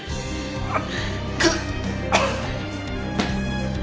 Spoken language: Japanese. あっ。